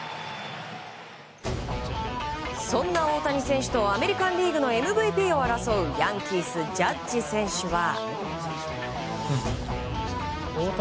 そんな大谷選手とアメリカン・リーグのＭＶＰを争うヤンキース、ジャッジ選手は。